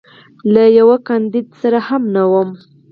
له یوه کاندید سره هم نه وم.